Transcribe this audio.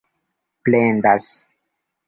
plendas